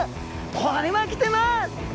これはきてます！